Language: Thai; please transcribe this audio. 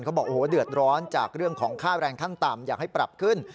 เขาบอกโอ้โหเดือดร้อนจากเรื่องของค่าแรงขั้นต่ำอยากให้ปรับขึ้น